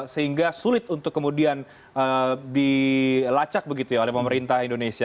sehingga sulit untuk kemudian dilacak begitu ya oleh pemerintah indonesia